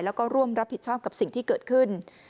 แล้วก็ร่วมรับผิดชอบกับสิ่งที่เกิดขึ้น